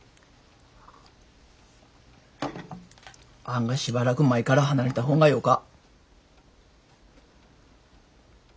あがしばらく舞から離れた方がよか。